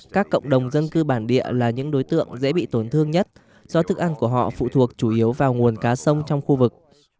các cộng đồng dân cư bản địa là những đối tượng dễ bị tổn thương nhất do thức ăn của họ phụ thuộc chủ yếu vào nguồn cá sông trong khu vực